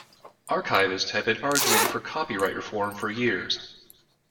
Archivists have been arguing for copyright reform for years.